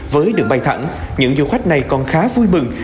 với đường bay thẳng những du khách này còn khá vui mừng